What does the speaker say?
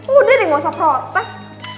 udah deh gak usah protes